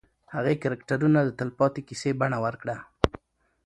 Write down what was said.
هغې کرکټرونه د تلپاتې کیسې بڼه ورکړه.